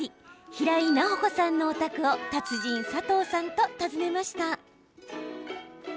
平井名保子さんのお宅を達人、佐藤さんと訪ねました。